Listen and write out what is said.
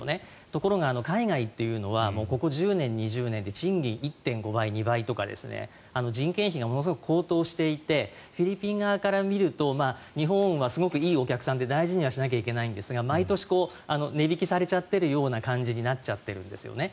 ところが、海外というのはここ１０年、２０年で賃金が１．５倍、２倍とか人件費がものすごく高騰していてフィリピン側から見ると日本はすごくいいお客さんで大事にはしなきゃいけないんですが毎年値引きされちゃってるような感じになっちゃってるんですよね。